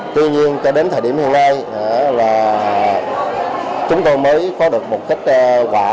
tuy nhiên cho đến thời điểm hiện nay là chúng tôi mới có được một kết quả